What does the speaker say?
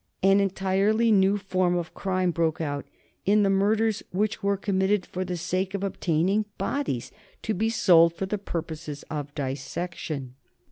An entirely new form of crime broke out in the murders which were committed for the sake of obtaining bodies to be sold for the purposes of dissection.